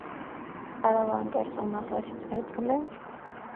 კარავანკეს უმაღლესი წერტილი.